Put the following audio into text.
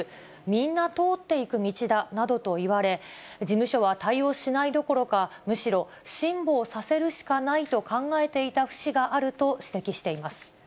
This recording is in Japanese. みんな通っていく道だなどと言われ、事務所は対応しないどころか、むしろ、辛抱させるしかないと考えていたふしがあると指摘しています。